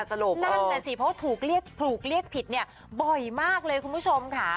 นั่นนะสิเพราะถูกเรียกผิดเนี่ยบอยมากเลยคุณผู้ชมค่ะ